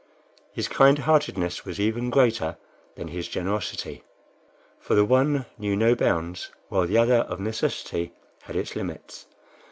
His kindheartedness was even greater than his generosity, for the one knew no bounds, while the other, of necessity, had its limits.